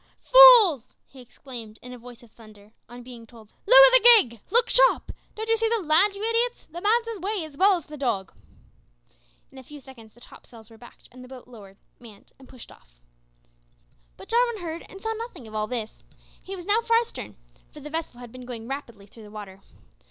"Fools!" he exclaimed, in a voice of thunder, on being told, "lower the gig. Look sharp! Don't you see the land, you idiots? The man's away as well as the dog." In a few seconds the topsails were backed and the boat lowered, manned, and pushed off. But Jarwin heard and saw nothing of all this. He was now far astern, for the vessel had been going rapidly through the water.